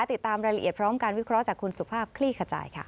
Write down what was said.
ติดตามรายละเอียดพร้อมการวิเคราะห์จากคุณสุภาพคลี่ขจายค่ะ